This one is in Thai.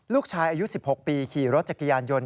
ลูกชายอายุ๑๖ปีขี่รถจักรยานยนต์